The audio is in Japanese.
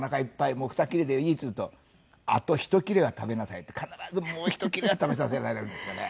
もう２切れでいい」って言うと「あと１切れは食べなさい」って必ずもう１切れは食べさせられるんですよね。